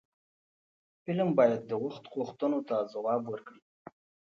فلم باید د وخت غوښتنو ته ځواب ورکړي